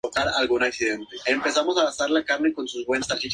Fue propuesta por la Unión Europea y organizada por Estados Unidos.